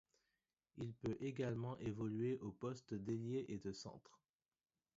Il peut également évoluer aux postes d'ailier et de centre.